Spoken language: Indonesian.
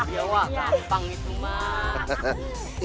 iya wak gampang itu mak